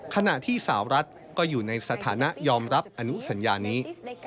ขณะที่สาวรัฐก็อยู่ในสถานะยอมรับอนุสัญญานี้